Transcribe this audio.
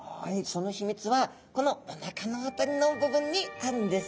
その秘密はこのおなかの辺りの部分にあるんです。